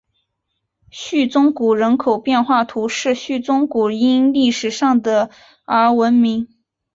叙宗谷人口变化图示叙宗谷因历史上的而闻名。